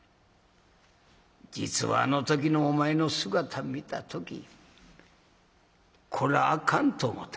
実はあの時のお前の姿見た時『こらあかん』と思た。